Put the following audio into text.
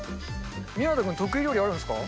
湊君、得意料理あるんですか？